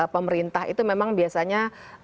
pemerintah itu memang biasanya